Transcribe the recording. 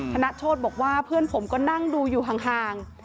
ธนโชธบอกว่าเพื่อนผมก็นั่งดูอยู่ห่าง